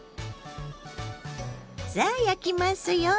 さあ焼きますよ。